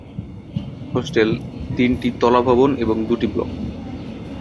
Hostel তিনটি তলা ভবন এবং দুটি ব্লক।